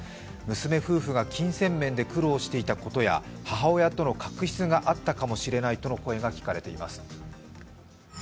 娘夫婦が金銭面で苦労していたことや母親との確執があったのかもしれないとの声が上がっています。